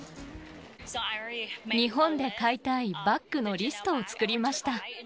日本で買いたいバッグのリストを作りました。